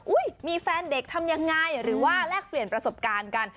มีแฟนเด็กทำยังไงหรือว่าแลกเปลี่ยนประสบการณ์กัน